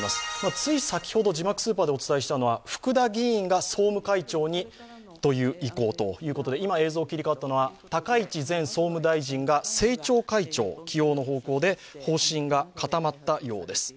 つい先ほど字幕スーパーでお伝えしたのは福田議員が総務会長にという意向ということで今映像が切り替わったのは高市前総務大臣が政調会長起用の方針で方針が固まったようです。